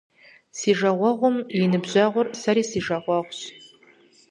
Си жагъуэгъум и ныбжьэгъур сэри си жагъуэгъущ.